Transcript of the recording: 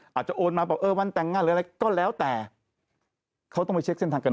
อาจจะโอนมาบอกเออวันแต่งงานหรืออะไรก็แล้วแต่เขาต้องไปเช็คเส้นทางกัน